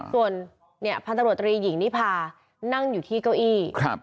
ส่วนพันธบรตรีหญิงนิพานั่งอยู่ที่เก้าอี้